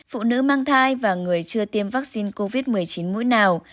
phụ nữ mang thai và người chưa tiêm vaccine covid một mươi chín mũi nào